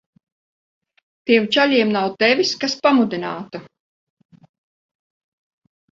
Tiem čaļiem nav tevis, kas pamudinātu.